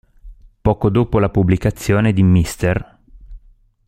Poco dopo la pubblicazione di Mr.